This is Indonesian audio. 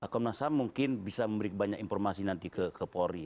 komnas ham mungkin bisa memberi banyak informasi nanti ke polri